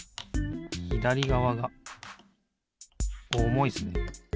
ひだりがわがおもいですね。